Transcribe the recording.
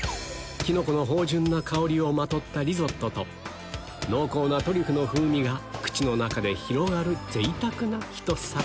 キノコの芳醇な香りをまとったリゾットと濃厚なトリュフの風味が口の中で広がる贅沢なひと皿